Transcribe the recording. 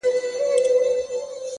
• دي روح کي اغښل سوی دومره؛